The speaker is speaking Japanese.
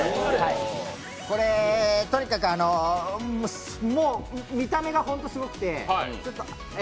これ、とにかく見た目がホントすごくて。